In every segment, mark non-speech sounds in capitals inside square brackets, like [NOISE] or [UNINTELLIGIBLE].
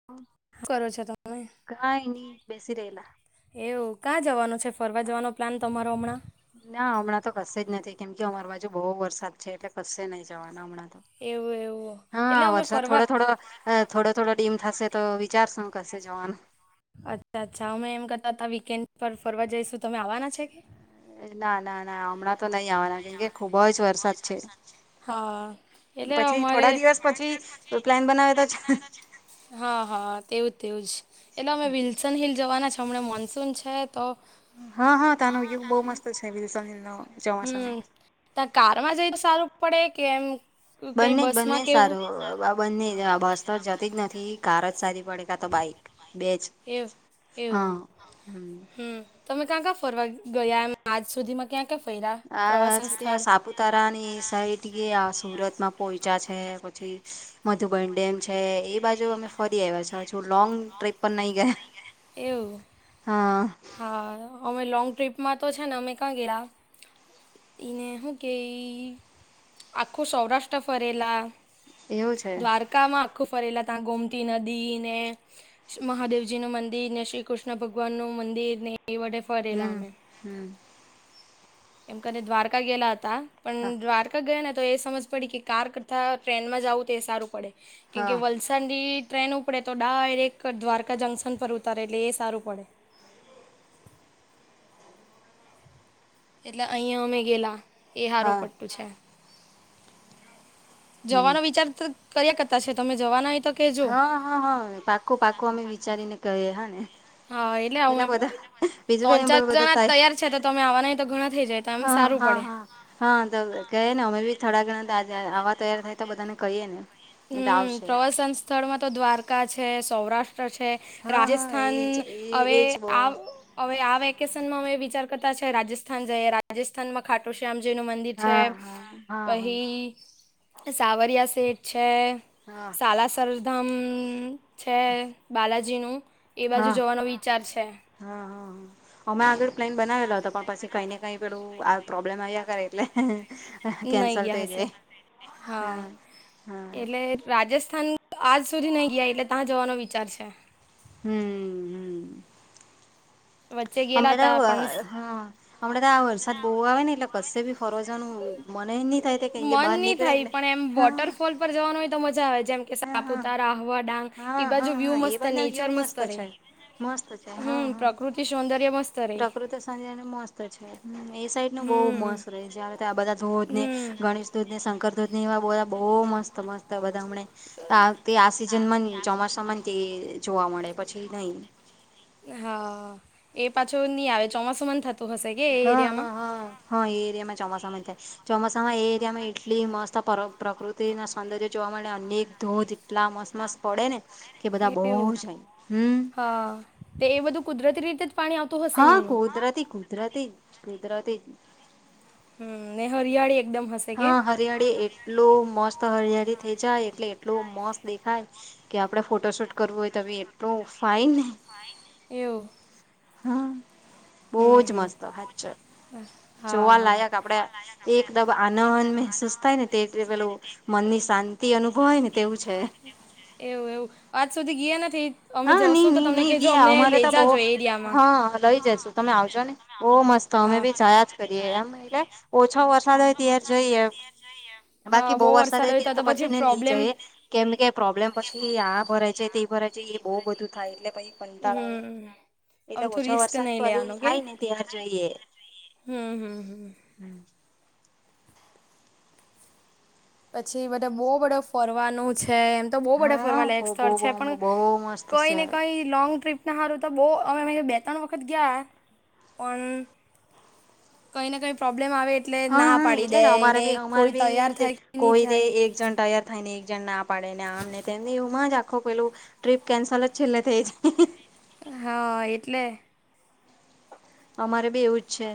[UNINTELLIGIBLE] શું કરો છો તમે? કાઈ ની બેસી રહેલા. એવું કા જવાનું છે ફરવા જવાનો પ્લાન તમારો હમણાં? ના હમણાં તો કશે જ નથી કેમ કે અમારી બાજુ બહુ વરસાદ છે એટલે કશે નહી જવાના હમણાં તો. એવું એવું એટલે હા અમે વરસાદ ફરવા થોડો થોડો હ થોડો થોડો ડીમ થશે તો વિચારશું કશે જવાનું. અચ્છા અચ્છા અમે એમ કરતા હતા વીકેન્ડ પર ફરવા જઈશું તમે આવવાના છે કે? ના ના ના હમણાં તો નહી આવવાના કેમકે ખુબ જ વરસાદ છે. હા એટલે પછી અમારે થોડા દિવસ પછી પ્લાન બનાવે તો હા હા તેવું તેવું જ એટલે અમે વિલ્સન હિલ જવાના છે હમણાં મોન્સૂન છે તો હા હા તનો વ્યુ બહુ મસ્ત છે વિલ્સન હિલ નો હમ ચોમાસામાં તા કારમાં જઈ સારું પડે કે એમ કઈ બંને જ બંને બસમાં જ કેવું સારું બંને બસ તો જતી જ નથી કાર જ સારી પડે તો બાઈક બેજ એવું એવું હા હમ હમ તમે ક્યાં ક્યાં ફરવા ગયા એમ આજ સુધીમાં ક્યાં ક્યાં ફેર્યા પ્રવાસન સ્થળ? તરાની સાઈઠ ગીયા સુરતમાં પોયચા છે પછી મધુબન ડેમ છે. એ બાજુ અમે ફરી આયવા છે અજુ લોંગ ટ્રીપ પર નહી ગયા. એવુ હા હા અમે લોંગ ટ્રીપમાં તો છે ને અમે કા ગેલા ઈને હુ કેઈ આખું સૌરાષ્ટ્ર ફરેલા. એવું છે. કામાં આખું ફરેલા ત્યાં ગોમતી નદી ને મહાદેવજી નું મંદ દિર ને શી કુષ્ણ ભગવાન નું મંદિર ને એ વડે ફ હમ હમ એમ કને દ્વારકા ગેલા હતા હા પણ દ્વાર કા ગયા ને તો એ સમજ પડી કે કાર કરતા ટ્રેન માં જાવું તે સારું પડે, કેમ હા કે વલ ઠંડી ટ્રેન ઉપડે તો ડાયરેક્ટ દ્વારકા જંક્શન પર ઉતારે એટલે એ સારું પડે. એટલે અઈંયા અમે ગેલા એ હારું હા પટુ છે. હમ જવાનો વિચાર ત કર્યા કરતા છે તમે જવાના હોય તો કહેજો હ હ હ પાક્કુ પાક્કુ અમે વિચારીને કયે હ ને. હ એટલે હ બીજું કઈ ત્રણ ને ચાર બધા જણા જ થાય તૈયાર છે તો તમે આવાના હોય તો ઘણા થઇ જાય. તેમ હા સારું હા પડે. હા હા તો ક ને અમે બી થોડા ગણા આજ આ આવા તૈયાર થાય તો બધાને કહીએ ને. એટલે હમ આવશે પ્રવાસન સ્થળમાં તો દ્વારકા છે, સૌરાષ્ટ્ર છે, હા હા રાજસ્થાન એજ એ હવે એજ બો આ અવે આ વેકેસનમાં અમે વિચાર કરતા છે રાજસ્થાન જઈએ રાજસ્થાનમાં ખાટું શ્યામજી નું મં દિ છે હા હા હા પહી સાવરિયા સેઠ છે. હ બાલાસર ધામ છે બાલાજીનું એ હા બાજુ હા જવાનો વિચાર છે. હા હ હ હમે આગળ પ્લેન બનાવેલો હતો પણ પસી કઈ ને કઈ પેલું આ પ્રોબ્લેમ આયા કરે એટલે. હ નહીં કેન્સલ ગયા થઈ હશે જાય. હા હ હ એટલે રાજસ્થાન આજ સુધી નય ગીયા એટલે તા જવાનો વિચાર છે. હમ્મ વચ્ચે ગયેલા હમણે તો હતા પણ હ હમણે તો આ વરસાદ બઉ આવે ને એટલે કસે બી ફરવાજવાનું મનેય ની થાય કેવ કે મન બહાર નહીં નીકળે થાય એટલે પણ એમ હા વોટરફોલ પર જવાનું હોય તો મજા આવે જેમ, કે હા હા સાપુતારા, આહવા, ડાંગ હા બાજુ હા વ્યુ હા એ મસ્ત, બધા વ્યુ નેચર મસ્ત રહે. છે મસ્ત છે હા હમ્મ પ્રકૃતિ સૌંદર્ય મસ્ત રહે. [UNINTELLIGIBLE] ને મસ્ત છે. એ સાઈડ નું બહુ હમ મસ્ત રહે છે ને ત્યા આ બધા ધોધ ને હમ ગણેશ ધોધ ને શંકર ધો, દૂધનીવા બો બોઉ મસ્ત મસ્ત બધા હમણે તે આ સિઝનમાં જ ચોમાસા માં તે જોવા મળે પછી નહી. હા એ પાછુ નહી આવે ચોમાસામાં થતું હશે કે એ એરિયામાં. હ એ એરિયામાં ચોમાસામાં જ થાય. ચોમાસામાં એ એરિયામાં એટલી મસ્ત પર પ્રકૃતિ ના સૌંદર્ય જોવા મળે, અનેક ધોધ, એલા મસ્ત પડે ને કે બધા બહુ જાય. હમ્મ હ‌. તે એ બધું કુદરતી રીતે જ પાણી આવ, હા કુદરતી કુદરતી જ. હમ્મ ને હરિયાળી એકદમ હસ, હ હરિયાળી એટલું મસ્ત હરિયાળી થઇ જાય એટલે એટલું મસ્ત દેખાય. કે આપડે ફોટો શૂટ કરવું હોય તો બી એટલું ફાઈન. એવું. હ હમ બોજ હમ મસ્ત સાચે. હા હા જોવાલાયક આપડે એકદમ આનંદ મેહસુસ થાય ને તે તે પેલું, મનની શાંતિ અનુભવ હોય ને તેવું છે. એવું એવું આજ સુધી ગયા નથી અમે હા જશું તો તમને નહી કહેજો ગયા અમને અમારે લઈ તો બહુ જાજો એ એરિયામાં હા લઈ જશુ. તમે આવજો ને બહુ મસ્ત અમે બી જાવા જ કરીએ એમ એટલે ઓછો વરસાદ હોય ત્યારે જઈએ. બાકી બહુ વરસાદ તો પછી ને નહીં જઈ. કેમ કે પ્રોબ્લેમ પછી આ ભરાય છે તે ભરાય છે એ બહુ બધું થાય એટલે પછી થાય. કંટાળ આવે. હમ એટલે આમથું ઓછો રિસ્ક વરસાદ નહી તો એ લેવાનું કે થાય ને તાર જોઈએ હમ હમ હમ હ પછી બધા બહુ ફરવાનું છે એમ. તો બહુ બડે હા ફરવાલાયક બહુ સ્થળ બહુ છે પણ બહુ મસ્ત કઈ છે ને કઈ, લોંગ ટ્રીપ ના સારું તો બહુ અમે અમે બે ત્રણ વખત ગયા પણ, કઈ ને કઈ પ્રોબ્લેમ આવે એટલે હા ના હા પાડી એટલે દે જ અમારે એને બી અમારે કોઈ બી એવી તૈયાર રીતે થાય. કે નહીં કોઈ તે થાય એક જણ તૈયાર થાય ને એક જણ ના પાડે ને આમને તેમને એમાં જ. આખો પેલું ટ્રીપ કેન્સલ જ છેલ્લે થઈ. હા એટલે‌. અમારે બ એવુંજ છે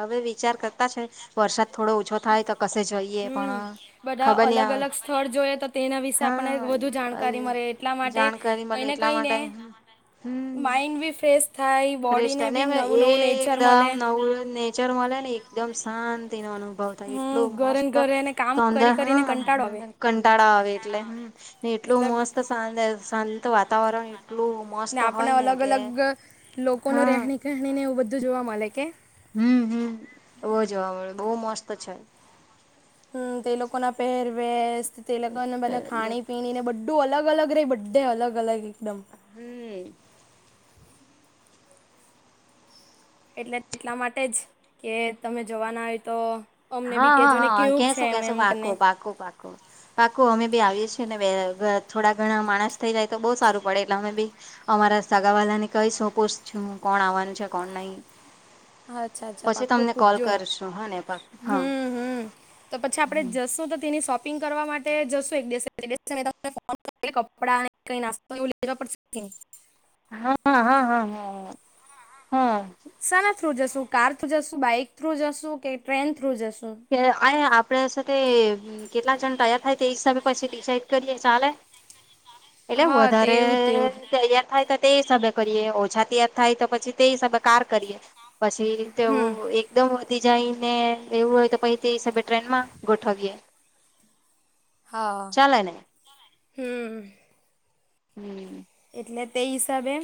હવે વિચાર કરતા છે. વરસાદ થોડો ઓછો થાય તો કશે જઈએ પણ હમ ખબર બધા નહી અલગ આ અલગ સ્થળ જોઈએ તો, તેના વિશે આપણને હા વધુ જાણકારી આવી મળે એટલા માટે જાણકારી મળે કઈને એટલા કઈ ને, માટે હમ માઇન્ડ પણ ફ્રેેશ, ફ્રેશ થાય ને એકદમ મળે નવરું નેચર મળે ને એકદમ શાંતિ નો અનુભવ. એટલું હમ ઘરે ને મસ્ત ઘરેને કામ સંધર કરી હ. કરીને કંટાળો આવે કંટાળા આવે એટલે એટલું એટલે મસ્ત. ને વાતાવરણ એટલું, ને મસ્ત આપણે હોય ને અલગ કે અલગ લોકોનું હા રહેણી કહેણીને એવું બધું જોવા મળે કે. હમ હમ એવો જોવા મળે બહુ મસ્ત છે. હમ તે લોકો ના પહેરવેશ તે લોકોને બને ખાણી પીણીને બ, ું અલગ અલગ રહે બધે અલગ અલગ એકદમ, હમ. એટલે એટલા માટે જ કે તમે જવાના હોય તો, અમને બી કહેજો ને હા કેવું છે કહીશું એમ કહીશું એમ કરીને પાકું. પાકુ અમે પણ આવીએ છીએ ને થોડા ઘણા માણસ થઈ જાય તો બહુ સારું પડે એટલે અમે બી અમારા સગા વાળા ને કઈ પૂછ કોણ આવવાનું છે કોણ નહી. અચ્છા અચ્છા પછી પાક્કું તમને કોલ પૂછજો કરશું હા ને પા હમ હમ તો પછી આપડે જશ તો તેની શોપિંગ કરવા માટે જશો એક દિવસે ત ફ કપડા કઈ નાસ્તા લેવા પડશે હા હા હા હા હા હા સના થ્રુ જશું કાર થુ જશું બાઈક થ્રુ જશું કે ટ્રેન થ્રુ જશું કે આ આપડે સાથે કેટલા જણ તૈાર થાય તે હિસાબે પછી ડિસાઇડ કરીએ ચાલે ના આવે એટલે વધારે તૈયાર થાય તે હિસાબે કરીએ ઓછા તયાર થાય તો પછી તે હિસાબે કાર કરીએ પછી તેવું હમ એક એકદમ વધી જાય ને એવું હોય તો પછ તે હિસાબે ટ્રેનમાં ગોઠવીએે હા હ હમ એટલે તે હિસાબે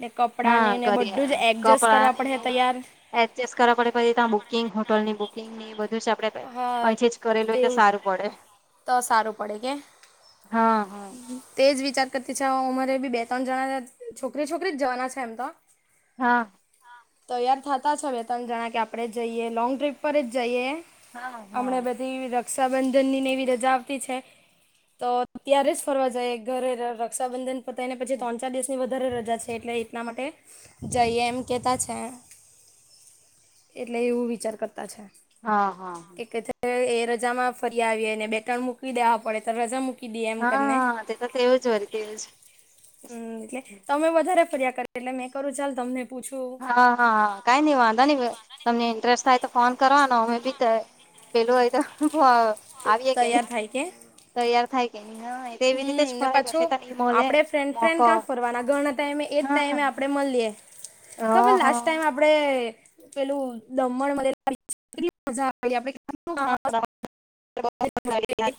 ને હા કપડાંને ને કરીએ બધું જ એડજસ્ટ કરવા પડે કપડાને તૈયાર એડજસ્ટ કરવા પડે પછી ત્યાં બુકિંગ હોટલની બુકિંગની બધું આપ હા પછી જ કરેલું હોય તો તેવું સારું પડે તો સારું પડે કે હા હા તે જ વિચાર કરતી છે ઉંમરે બી બે ત્રણ જણા છોકરી છોકરી જવાના છે એમ તો હા તોયાર થતા છે હવે તણ જણા કે આપણેે જઈએ લોંગ ડ્રીપ પર જ જઈએ હા હા હમણા બધી રક્ષાબંધનનીને એવી રજા આવતી છે તો ત્યારે જ ફરવા જાય ઘરે રક્ષાબંધન પને પછી ત્રણ ચાર દસની વધારે રજા છે એટલે એટના માટે જઈએ એમ કેતા એટલે એવું વિચાર કરતા છે હા હા હા એક એ રજામાં ફરી આવી ને બે ત્રણ મૂકી દેવા પડે તો રજા મૂકી દઈએ એમ કરીને હા તે તો તેવું જ હોરી તેું જ હમ એટલે તમે વધારે ફરિયા કર એટલે મેં કરું ચાલ તમને પૂછું હા હાા કઈ નઈ વાંધો નઈ તમને ઇન્ટરેસ્ટ થાય તો ફોન કરવાનો અમે બી પેલું હવે તો આવીય કે ન તૈયાર થાય કે તૈયાર થાય કે નહી હા તો એવી રીતે હમ જ ને ફરાય પાછું પશે તને ઈ મળે આપડે ફ્રેન્ડ ફ્રેન્ડ મોકો ક્યાં ફરવાના ઘણા ટાઈમે એ જ હા હ ટાઈમે આપ મળ હ ખર લાસ ટાઈમ આપ આપડે પેલું દમણ વે હેું એ આપ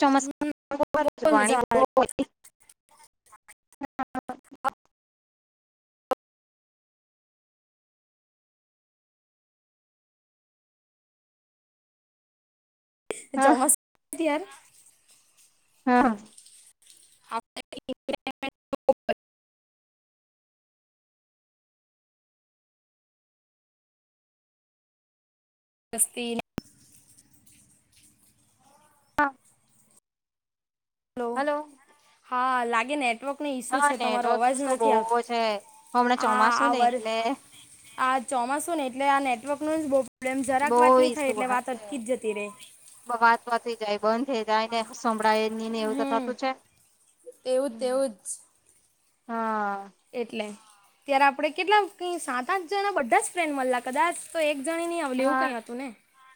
ચોમાસા બહુ પા ણ મજા ઓ જમાાર હા આપ ફસ્ન હા હલો હા લાગે નેટવર્ક ઈસુ હા છે તમારો નેટવર્ક અવાજ ઈસુ નથી આવતો બહુ છે હમણાં હા ચોમાસું આ ને વર્ એટલે આ ચોમાસું ને એટલે આ નેટવર્ક ન જ બોબ્લેમ જરાક બહુ વાતની થાય ઈસુ એટલે વાત છે અટકી જ જતી રે વાત વાત થઈ જાય બંધ થઈ જ ને સંભળાયે ની ને એવું તો હમ થતું છે હ તેવું જ તેવું હા એટલે ત્યારે આપણે કેટલા સાત આઠ જના બધા જ ફ્રેન્ડ મળલા કદાચ તો એક જણી ની આવ લવું હા કઈ હતું ને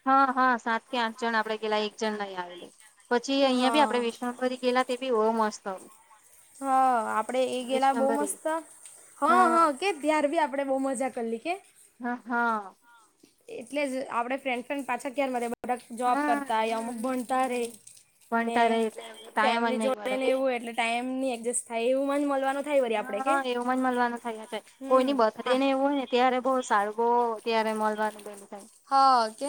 હા હા સાત કે આઠ જણ આપડે પેલા એક જણ નહી આવે પછી અહિયાં બી હા આપડે વિષ્ણુરી ગેલા તે ભીબો મસ્ત હા આપડે એ ગેલા બો વિશ્વભરી મસ્ત હા હ કે ત્યાર બી આપણે બહુ મજા કરી લ કે હા હા એટલે જ આપડે ફ્રેન્ડ ફ્રેન્ડ પાછા કાર મડિયે અમુક જોબ હા કરતાય અમુક ભણતા રે ને ભણતા રે એટલે ટાઈમ જ ફેમિલી નહી જોડે મળે ને કે એવું એટલે ટાઈમ એડજસ્ટ થાય એવું મ મળવાનું થાય વરી આપણે કે હા એવું જ મળવાનું થયા છે હમ કોઈની બર્ડે હા ને એવું હોય ને ત્યારે બહ સારું બહ ત્યારે મળલવાનુંલું હા કે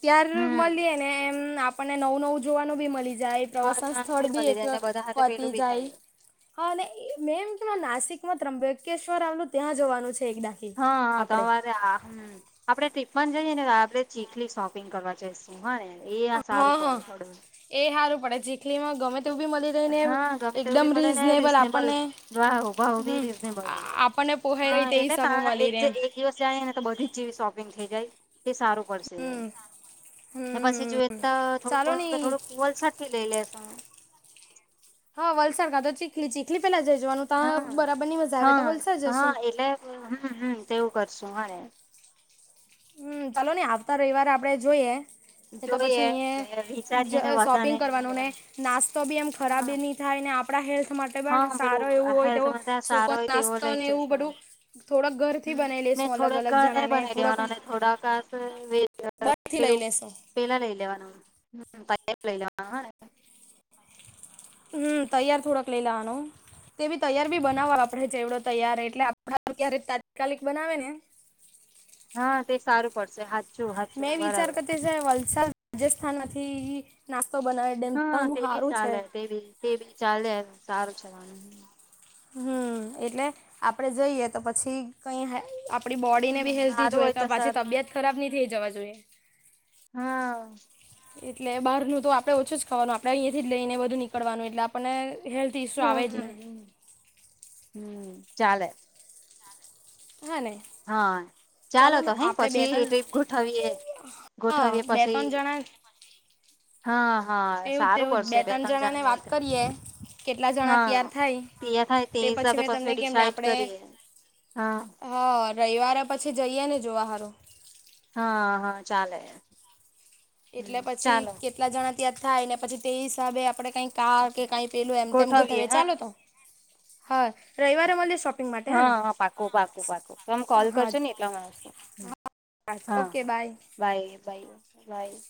ત્યાર હમ મળીએ ને એમ આપણને નવું નવું જોવાનું બી મળી જ જાય જોવા પ્રવાસન જવાનું સ્થળ બી ભી મળી એક જાય ને બધા હાથે પતી પેલું બી જાય થાય હા અને મે એમ કે નાસિક માં ત્રંબકેશ્વર આવલું ત્યાં જવાનું છે એકદ હા હા તમારે આમ આપડણે ટ્રીપમાં જઈએ ને આપડણે ચીકલી શોપિંગ કરવા જઈશ હાને આ હા સારું હા પડે થોડું એ સારું પડે ચીખલીમાં ગમે તે બી મળી આપડે હા ગમે એક તેવું દમ બી મળે ને રીશનેબલ રીઝનેબલ અપને ભાવ ભાવ બી હમ્મ રીઝનેબલ આપ પુહે હા તે એ એટલે સબ તા એક મલીરે એમ એક દિવસ જાય ને તો બધી જ જેવી શોપિંગ થઈ જાય એ સારું પડ હમ હમ પછી જોઈ હમ તો ચાલો થોડુંક નઈ થોડુંક વલસાડ થી લઈ લેશુ હા વલસાડ કા તો ચીખલી ચીખલી પેલા જઈ જવાનું ત્યા હા બરાબર ની મજા આવે તો વલસાડ જશું? હમ્મ હમ્મ તેવું કરશું હને. હમ્મ, ચાલો ની આવતા રવિવારે આપડે જોઈએ. એ તો જોઈએ પછી એટલે અહીં જ વિચારીએને શોપિંગ બધાને કરવાનું ને નાસ્તો બી એમ હા ખરાબી નઈ થાય ને આપણા હેલ્થ માટે પણ હા પેલું સારો એવું હોય તો હેલ્થ બધા સુકો સારો હોય તેવો નાસ્તો લઈ ને એવું જશુ બધું થોડોક ઘરથી હમ બનાવી ને લેસુ થોડોક અલગ-અલગ ઘરે જણાને બનાવી થોડાક દેવાનો અને થોડાક [INAUDIBLE] પેલું પેલાં લઈ લેવાનું હમ્મ [INAUDIBLE] લેવાનું હને. હમ તૈયાર થોડાક લય લેવાનો તેવી તૈયાર બી બનાવો આપડે ચેવડો તૈયાર એટલે આપ ક્યારે તાત્કાલિક બનાવે ને હા તે સારું પડશે હાલ મેં વિચાર કરતી છે વલસાડ જેસ્થાન માંથી નાસ્તો બનાવે. દેન હા તન નું તે બી સારું છે. ચાલે તે બી તે બી ચાલે સારું છે વાંધો નહીં. હમ્મ એટલે આપડે જઈએ તો પછી કંઈ હા આપ આપણી બોડીને બી હેલ્થી સારું જોઈએ હોય કા તો પાછી સારું તબિયત ખરાબ નહીં થઈ જવા જોઈએ. હા એટલે બહારનું તો આપડે ઓછું જ ખાવાનું આપણેે અહીંયાથી જ લઈ ને બધું નીકળવાનું એટલે આપણને હેલ્થ ઇસ્યુ આવે જ નહીં હમ્મ હમ્મ ચાલે. હાને હ ચાલો તો હે પછી ત્રણ ટ્રીપ ગોઠવીએ હા ગોઠવીયે બે પછી? ત્રણ જણા હા હા તેવું જ સારું તેવું જ પડશે બે ત્રણ તન જન જણાને જાય વાત તો કરીએ કેટલા જણા હા તૈયાર થાય તે થાય તે પછી હિસાબે મેં પસી તમને કેમને ડિસાઈડ આપણે કરીએ હા. હા રવિવારે પછી જઈએ ને જોવા હારુ. હા.... ચાલે. એટલે પછી ચાલો કેટલા જણા ત્યાં થાય ને પછી તે હિસાબે આપડે કઈક, કામ કે કઈ પેલું એમતેમ ગોઠવીએ ગોઠવી એ હે ચાલો ને તો હા, રવિવારે મળીયે શોપિંગ માટે હે હા ને હા પાકું પાકું પાકું તમે કોલ હા કરશો ને એટલા માટે જી હા, હ હા okay bye. Bye bye by.